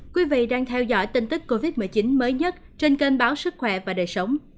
các bạn đang theo dõi tình tức covid một mươi chín mới nhất trên kênh báo sức khỏe và đời sống